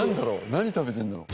何食べてるんだろう？